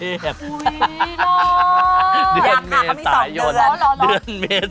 เรียบร้อยแล้วสวัสดีค่ะสวัสดีค่ะ